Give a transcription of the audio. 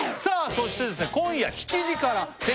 そしてですね